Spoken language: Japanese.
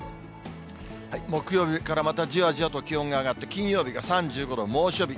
木曜日からまたじわじわと気温が上がって、金曜日が３５度、猛暑日。